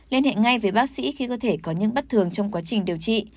liên hệ ngay với bác sĩ khi cơ thể có những bất thường trong quá trình điều trị